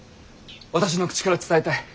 私の口から伝えたい。